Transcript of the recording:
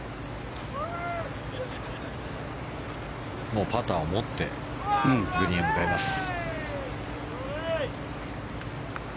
もうパターを持ってグリーンへ向かいます。